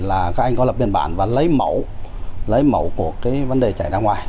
là các anh có lập biên bản và lấy mẫu của vấn đề chảy ra ngoài